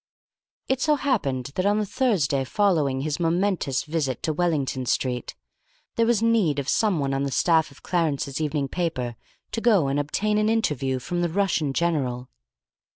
It so happened that on the Thursday following his momentous visit to Wellington Street, there was need of someone on the staff of Clarence's evening paper to go and obtain an interview from the Russian general.